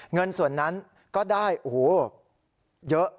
เงินส่วนนั้นก็ได้โอ้โหเยอะ